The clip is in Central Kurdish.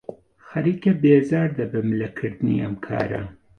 خەریکە بێزار دەبم لە کردنی ئەم کارە.